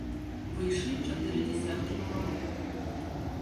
Выйшлі чатыры дзясяткі нумароў.